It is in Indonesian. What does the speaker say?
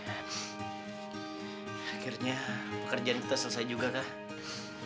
akhirnya pekerjaan kita selesai juga kak